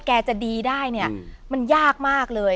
แกจะดีได้เนี่ยมันยากมากเลย